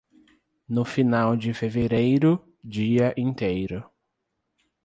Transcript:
No final de fevereiro, dia inteiro.